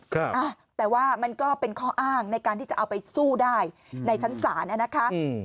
ครับอ่ะแต่ว่ามันก็เป็นข้ออ้างในการที่จะเอาไปสู้ได้ในชั้นศาลนะคะอืม